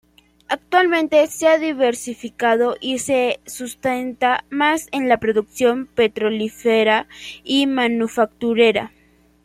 Actualmente, se ha diversificado, y se sustenta más en la producción petrolífera y manufacturera.